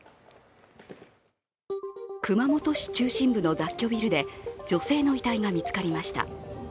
熊本市中心部の雑居ビルで女性の遺体が見つかりました。